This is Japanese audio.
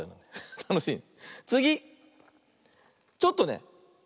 たのしいね。